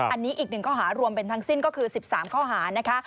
อันนี้อีกหนึ่งข้อหารวมเป็นทั้งสิ้นก็คือ๑๓ข้อหานะคะ